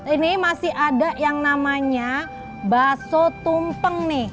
ini masih ada yang namanya bakso tumpeng nih